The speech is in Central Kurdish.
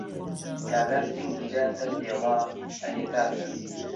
کابرا سنگی دا سەر تێڵا: ئەرێ کاکە!